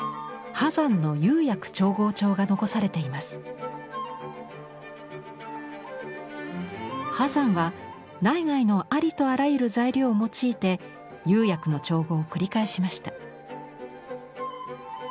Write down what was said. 波山は内外のありとあらゆる材料を用いて釉薬の調合を繰り返しました。